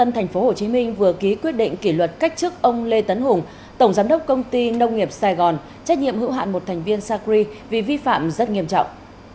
thành phố hồ chí minh vừa ký quyết định kỷ luật cách chức ông lê tấn hùng tổng giám đốc công ty nông nghiệp sài gòn trách nhiệm hữu hạn một thành viên sacri vì vi phạm rất nghiêm trọng